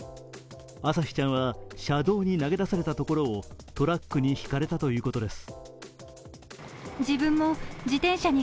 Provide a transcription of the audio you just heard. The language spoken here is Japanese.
朝輝ちゃんは車道に投げ出されたところをトラックにひかれたということです。